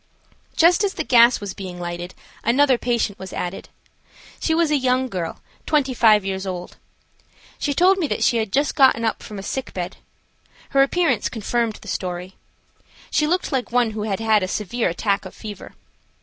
Just as the gas was being lighted another patient was added. She was a young girl, twenty five years old. She told me that she had just gotten up from a sick bed. Her appearance confirmed her story. She looked like one who had had a severe attack of fever.